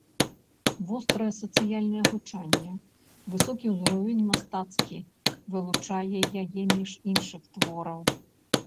Вострае сацыяльнае гучанне, высокі ўзровень мастацкасці вылучаюць яе між іншых твораў.